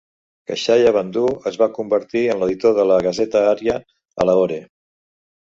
Kashyap Bandhu es va convertir en l'editor de la Gaseta Arya a Lahore.